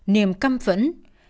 niềm căm phẫn